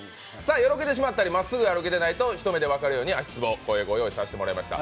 よろけてしまったりまっすぐ歩けてないと一目で分かるように足つぼを用意させていただきました。